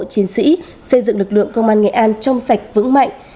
chiến sĩ xây dựng lực lượng công an nghệ an trong sạch vững mạnh